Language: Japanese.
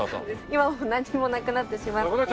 今はなんにもなくなってしまって。